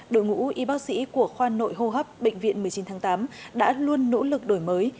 đội ngũ y bác sĩ của khoa nội hô hấp bệnh viện một mươi chín tháng tám đã luôn nỗ lực đổi mới